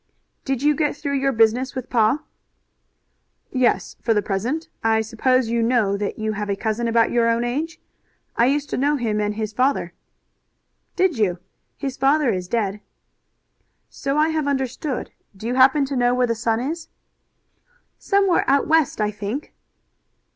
"Did you get through your business with pa?" "Yes, for the present. I suppose you know that you have a cousin about your own age. I used to know him and his father." "Did you? His father is dead." "So I have understood. Do you happen to know where the son is?" "Somewhere out West, I think."